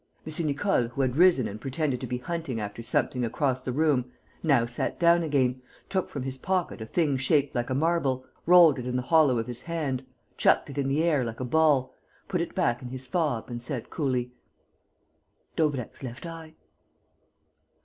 M. Nicole, who had risen and pretended to be hunting after something across the room, now sat down again, took from his pocket a thing shaped like a marble, rolled it in the hollow of his hand, chucked it in the air, like a ball, put it back in his fob and said, coolly: "Daubrecq's left eye."